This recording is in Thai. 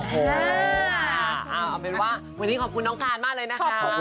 เอาเป็นว่าวันนี้ขอบคุณน้องการมากเลยนะคะ